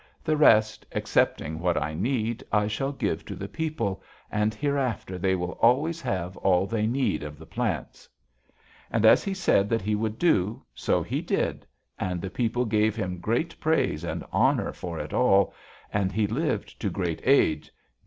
The rest, excepting what I need, I shall give to the people, and hereafter they will always have all that they need of the plants.' "And as he said that he would do, so he did, and the people gave him great praise and honor for it all, and he lived to great age.